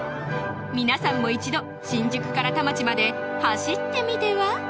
皆さんも一度新宿から田町まで走ってみては？